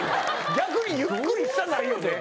逆にゆっくりしたないよね。